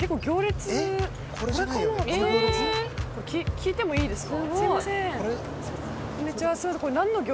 聞いてもいいですか？